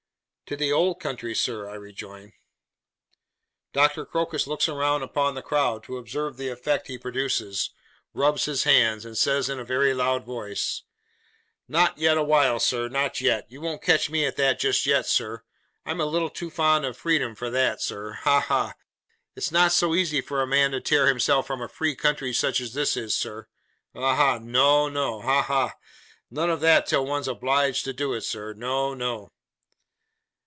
'To the old country, sir,' I rejoin. Doctor Crocus looks round upon the crowd to observe the effect he produces, rubs his hands, and says, in a very loud voice: 'Not yet awhile, sir, not yet. You won't catch me at that just yet, sir. I am a little too fond of freedom for that, sir. Ha, ha! It's not so easy for a man to tear himself from a free country such as this is, sir. Ha, ha! No, no! Ha, ha! None of that till one's obliged to do it, sir. No, no!